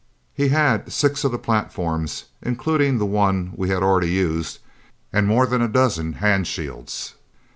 He had six of the platforms, including the one we had already used, and more than a dozen hand shields.